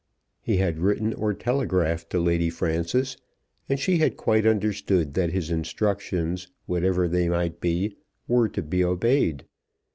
He had written or telegraphed to Lady Frances, and she had quite understood that his instructions, whatever they might be, were to be obeyed.